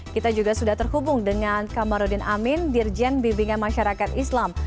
kita juga sudah terhubung dengan kamarudin amin dirjen bimbingan masyarakat islam